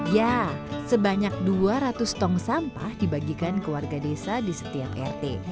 ya sebanyak dua ratus tong sampah dibagikan ke warga desa di setiap rt